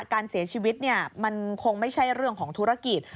การเสียชีวิตมันคงไม่ใช่เรื่องของธุรกิจ